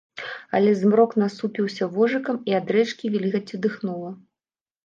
Але змрок насупіўся вожыкам, і ад рэчкі вільгаццю дыхнула.